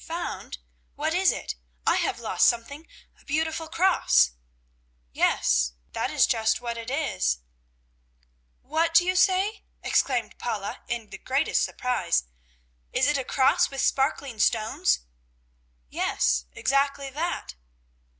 "Found? What is it? I have lost something, a beautiful cross." "Yes, that is just what it is." "What do you say?" exclaimed Paula, in the greatest surprise. "Is it a cross with sparkling stones?" "Yes, exactly that."